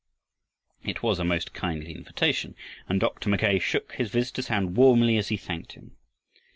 It was a most kindly invitation and Dr. Mackay shook his visitor's hand warmly as he thanked him.